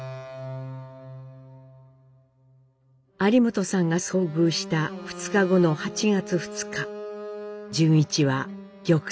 有元さんが遭遇した２日後の８月２日潤一は「玉砕」。